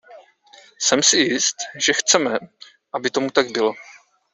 Jsem si jist, že chceme, aby tomu tak bylo.